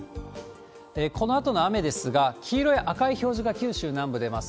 このあとの雨ですが、黄色や赤い表示が九州南部出ます。